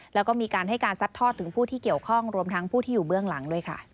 แล้วก็มีการให้การซัดทอดถึงผู้ที่เกี่ยวข้องรวมทั้งผู้ที่อยู่เบื้องหลังด้วยค่ะ